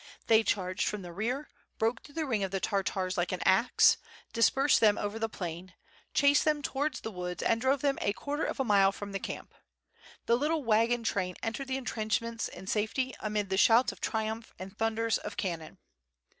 They charged from the rear, broke through the ring of Tartars like an axe, dis persed them over the plain, chased them towards the woods and drove them a quarter of a mile from the camp. The little wagon train entered the entrenchments in safety amid the shouts of triumph and thunders of cannon.